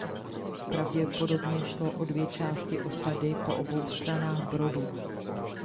Pravděpodobně šlo o dvě části osady po obou stranách brodu.